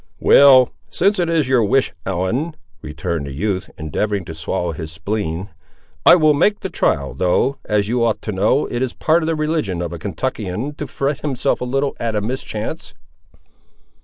"Well, since it is your wish, Ellen," returned the youth, endeavouring to swallow his spleen, "I will make the trial; though, as you ought to know, it is part of the religion of a Kentuckian to fret himself a little at a mischance."